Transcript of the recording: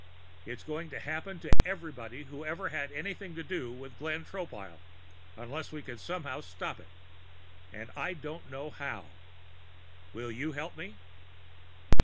It's going to happen to everybody who ever had anything to do with Glenn Tropile, unless we can somehow stop it and I don't know how. Will you help me?"